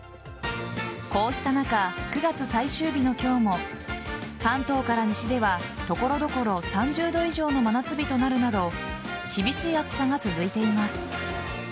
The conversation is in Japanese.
こうした中、９月最終日の今日も関東から西では所々３０度以上の真夏日となるなど厳しい暑さが続いています。